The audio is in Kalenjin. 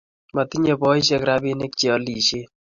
Matinyei boisiek robinik che yoen alisiet